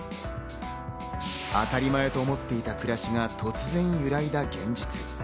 当たり前と思っていた暮らしが突然、揺らいだ現実。